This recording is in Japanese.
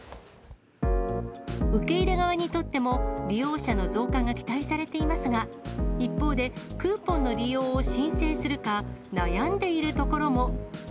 受け入れ側にとっても、利用者の増加が期待されていますが、一方で、クーポンの利用を申請するか、悩んでいるところも。